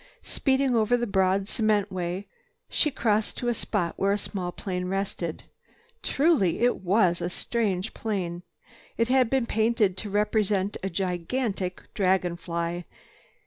Speeding over the broad cement way, she crossed to a spot where a small plane rested. Truly it was a strange plane. It had been painted to represent a gigantic dragon fly.